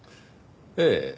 ええ。